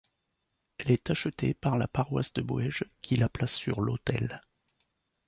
Elle est achetée par la paroisse de Boëge qui la place sur l'autel.